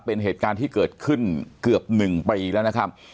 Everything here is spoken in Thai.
เป็นเหตุการณ์ที่เกิดขึ้นเกือบ๑ปีแล้วนะครับ